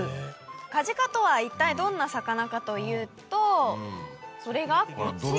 カジカとは一体どんな魚かというとそれがこちら。